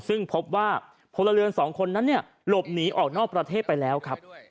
ซึ่งพบว่าพลเรือนสองคนนั้นหลบหนีออกนอกประเทศไปแล้วครับ